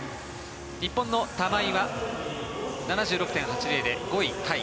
日本の玉井は７６．８０で５位タイ。